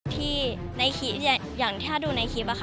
ที่ในคลิปอย่างที่ถ้าดูในคลิป